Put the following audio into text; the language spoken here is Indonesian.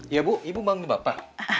iya bu ibu bangun bapak